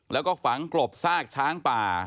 แล้วก็ฝังกลบซากช้างป่า